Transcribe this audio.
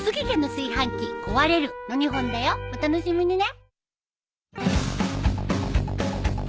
お楽しみにね。